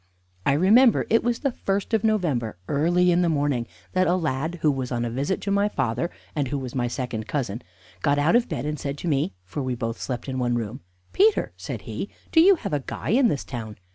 I remember it was the first of November, early in the morning, that a lad, who was on a visit to my father, and who was my second cousin, got out of bed and said to me (for we both slept in one room): "Peter," said he, "do you have a guy in this town?